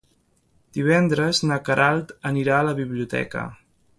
Divendres na Queralt anirà a la biblioteca.